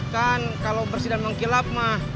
kan kalau bersih dan mengkilap mah